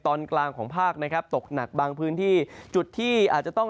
ตอนกลางของภาคนะครับตกหนักบางพื้นที่จุดที่อาจจะต้อง